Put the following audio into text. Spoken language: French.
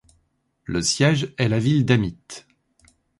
Le siège est la ville d'Amite.